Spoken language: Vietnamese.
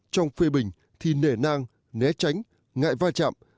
trong phê bình thì nể nang né tránh ngại va chạm